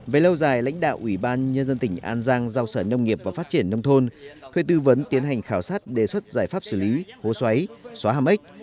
về lâu dài lãnh đạo ủy ban nhân dân tỉnh an giang giao sở nông nghiệp và phát triển nông thôn thuê tư vấn tiến hành khảo sát đề xuất giải pháp xử lý hố xoáy xóa hàm ếch